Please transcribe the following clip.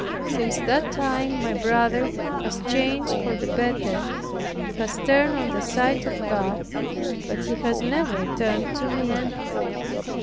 Since that time my brother has changed for the better, and has turned on the side of God, but he has never turned to me.